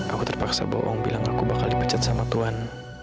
aku terpaksa bohong bilang aku bakal dipecat sama tuhan